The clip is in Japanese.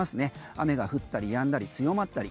雨が降ったりやんだり強まったり。